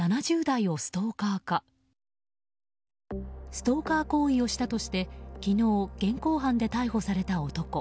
ストーカー行為をしたとして昨日、現行犯で逮捕された男。